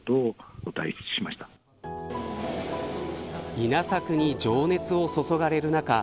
稲作に情熱を注がれる中